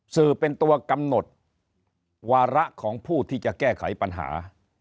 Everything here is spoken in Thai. สื่อเป็นตัวกำหนดวาระของผู้ที่จะแก้ไขปัญหา